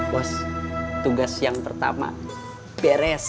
bos tugas yang pertama beres